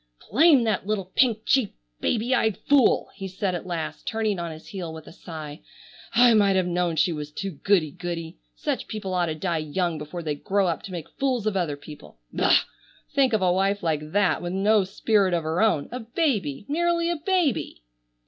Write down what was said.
"Blame that little pink cheeked, baby eyed fool!" he said at last, turning on his heel with a sigh. "I might have known she was too goody goody. Such people ought to die young before they grow up to make fools of other people. Bah! Think of a wife like that with no spirit of her own. A baby! Merely a baby!"